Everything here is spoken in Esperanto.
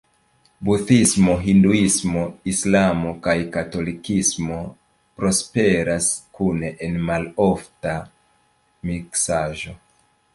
Budhismo, hinduismo, islamo kaj katolikismo prosperas kune en malofta miksaĵo.